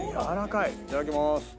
いただきます。